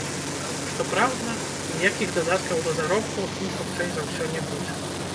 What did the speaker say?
Што праўда, ніякіх дадаткаў да заробку ім хутчэй за ўсё не будзе.